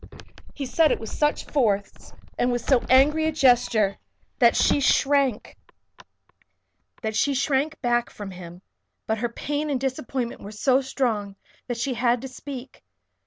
He said it with such force, and with so angry a gesture, that she shrank back from him. But her pain and disappointment were so strong that she had to speak.